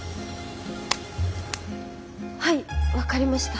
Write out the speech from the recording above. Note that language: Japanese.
はい分かりました。